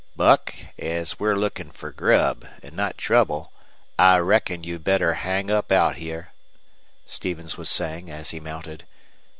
"Buck, as we're lookin' fer grub, an' not trouble, I reckon you'd better hang up out here," Stevens was saying, as he mounted.